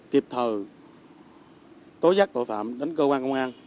kịp thờ tối giác tội phạm đến cơ quan công an